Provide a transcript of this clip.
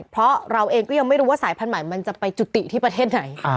เพราะเราเองก็ยังไม่รู้ว่าสายพันธุ์ใหม่มันจะไปจุติที่ประเทศไหน